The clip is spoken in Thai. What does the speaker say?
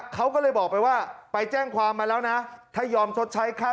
เขาก็เลยบอกไปว่าไปแจ้งความมาแล้วนะถ้ายอมชดใช้ค่า